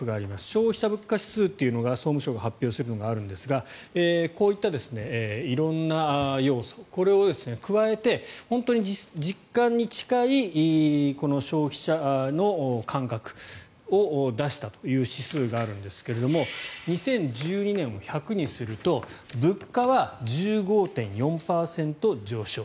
消費者物価指数というのが総務省が発表するものがあるんですがこういった色んな要素これを加えて本当に実感に近い消費者の感覚を出したという指数があるんですが２０１２年を１００にすると物価は１５．４％上昇。